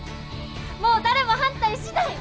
もう誰も反対しない！